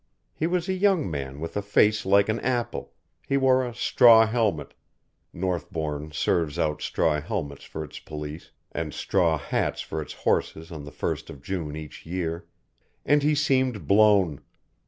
He was a young man with a face like an apple, he wore a straw helmet Northbourne serves out straw helmets for its police and straw hats for its horses on the first of June each year and he seemed blown.